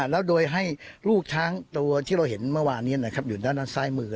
แล้วโดยให้ลูกช้างตัวที่เราเห็นเมื่อวานนี้อยู่ด้านซ้ายมือ